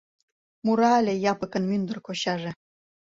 мура ыле Япыкын мӱндыр кочаже.